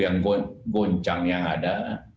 yang goncang yang ada